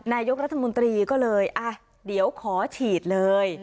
นายกรัฐมนตรีก็เลยอ่ะเดี๋ยวขอฉีดเลย